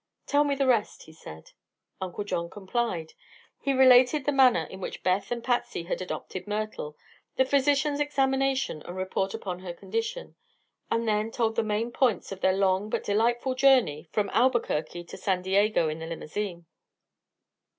"Tell me the rest," he said. Uncle John complied. He related the manner in which Beth and Patsy had adopted Myrtle, the physician's examination and report upon her condition, and then told the main points of their long but delightful journey from Albuquerque to San Diego in the limousine.